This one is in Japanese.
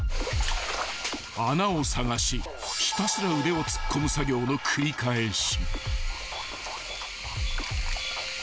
［穴を探しひたすら腕を突っ込む作業の繰り返し］